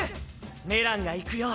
メランがいくよ。